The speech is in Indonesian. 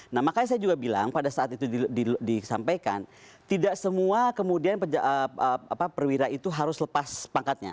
nah makanya saya juga bilang pada saat itu disampaikan tidak semua kemudian perwira itu harus lepas pangkatnya